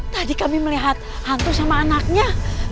tadi kami melihat hantu sama anaknya